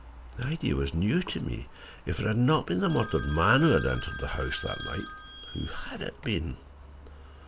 The idea was new to me. If it had not been the murdered man who had entered the house that night, who had it been?